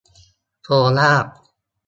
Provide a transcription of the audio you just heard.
โคราช